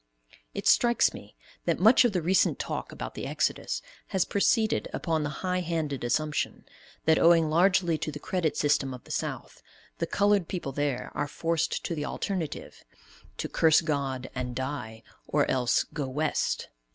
It strikes me that much of the recent talk about the exodus has proceeded upon the high handed assumption that, owing largely to the credit system of the South, the colored people there are forced to the alternative, to "curse God, and die," or else "go West."